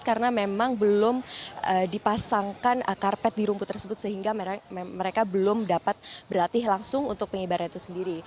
karena memang belum dipasangkan karpet di rumput tersebut sehingga mereka belum dapat berlatih langsung untuk pengibarannya itu sendiri